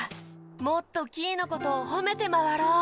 もっとキイのことをほめてまわろう！